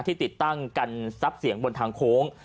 ที่ติดตั้งกันซับเสียงบนทางโค้ง